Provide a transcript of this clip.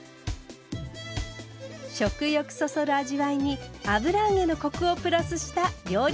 食欲そそる味わいに油揚げのコクをプラスした料理キット。